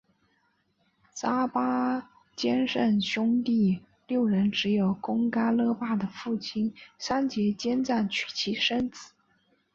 扎巴坚赞兄弟六人只有贡噶勒巴的父亲桑结坚赞娶妻生子。